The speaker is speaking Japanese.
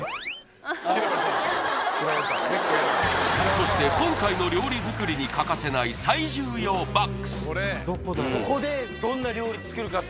そして今回の料理作りに欠かせない最重要ボックス